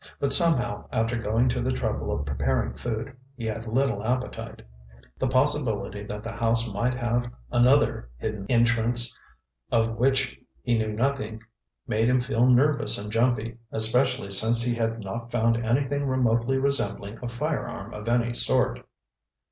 But somehow, after going to the trouble of preparing food, he had little appetite. The possibility that the house might have another hidden entrance of which he knew nothing made him feel nervous and jumpy, especially since he had not found anything remotely resembling a firearm of any sort.